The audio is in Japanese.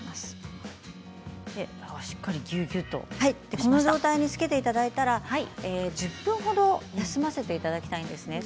この状態でつけていただいたら１０分ほど休ませていただきたいんですね。